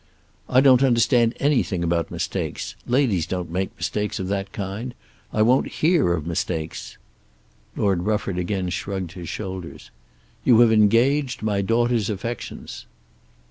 "I don't understand anything about mistakes. Ladies don't make mistakes of that kind. I won't hear of mistakes." Lord Rufford again shrugged his shoulders. "You have engaged my daughter's affections."